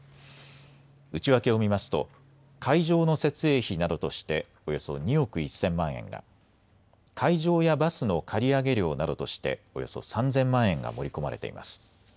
内訳を見ますと会場の設営費などとしておよそ２億１０００万円が、会場やバスの借り上げ料などとしておよそ３０００万円が盛り込まれています。